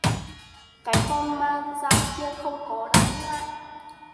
cái con ma dại kia không có đáng ngại